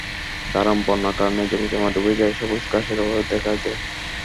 কারণ, বন্যার কারণে জমিজমা ডুবে যায়, সবুজ ঘাসের অভাব দেখা দেয়।